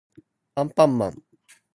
あんぱんまん